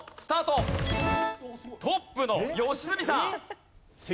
トップの良純さん。